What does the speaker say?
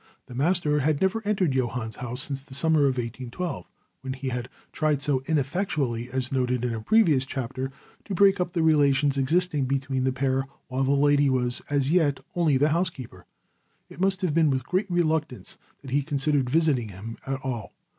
The master had never entered Johann's house since the summer of 1812, when he had tried so ineffectually, as noted in a previous chapter, to break up the relations existing between the pair while the lady was as yet only the housekeeper. It must have been with great reluctance that he considered visiting him at all.